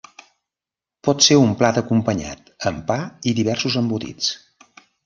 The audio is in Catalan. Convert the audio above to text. Pot ser un plat acompanyat amb pa i diversos embotits.